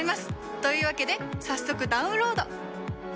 というわけで早速ダウンロード！